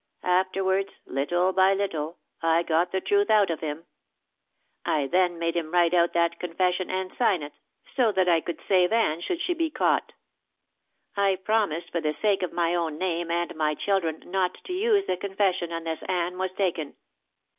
Afterwards, little by little, I got the truth out of him. I then made him write out that confession and sign it, so that I could save Anne should she be caught. I promised for the sake of my own name and my children not to use the confession unless Anne was taken.